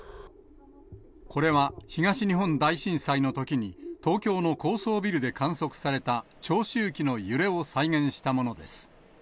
これは東日本大震災のときに、東京の高層ビルで観測された長周期の揺れを再現したものです。